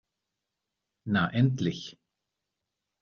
Na endlich!